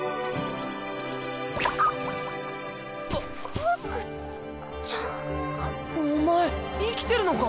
ホークちゃん？お前生きてるのか？